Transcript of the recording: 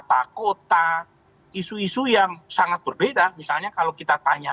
dan dokternya berdekatan setelah dipresking rusak ketika mengeluarkan aug di deskripsi bukan menutup pecantiknya